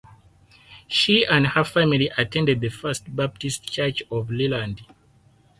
She and her family attended the First Baptist Church of Leland.